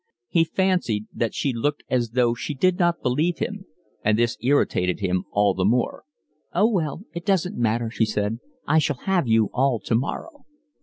He fancied that she looked as though she did not believe him, and this irritated him all the more. "Oh, well, it doesn't matter," she said. "I shall have you all tomorrow."